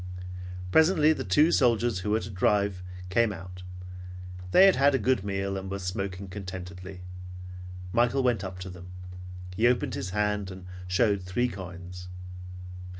Presently the two soldiers who were to drive came out. They had had a good meal and were smoking contentedly. Michael went up to them. He opened his hand and showed three coins.